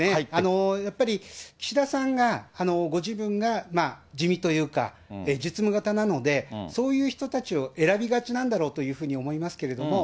やっぱり岸田さんが、ご自分が地味というか、実務型なので、そういう人たちを選びがちなんだろうというふうに思いますけれども、